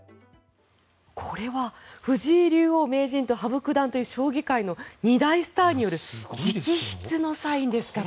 これは藤井竜王・名人と羽生九段という将棋界の二大スターによる直筆のサインですから。